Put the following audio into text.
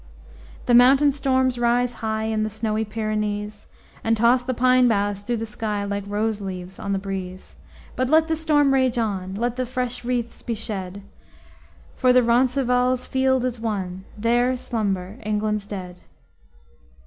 The mountain storms rise high In the snowy Pyrenees, And toss the pine boughs through the sky Like rose leaves on the breeze; But let the storm rage on! Let the fresh wreaths be shed! For the Roncesvalles' field is won, There slumber England's dead.